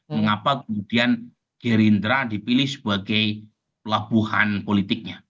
mengapa kemudian gerindra dipilih sebagai pelabuhan politiknya